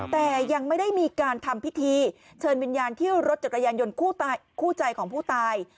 แต่ยังไม่ได้มีการทำพิธีเชิญวิญญาณที่รถจักรยานยนต์คู่ใจของผู้ตาย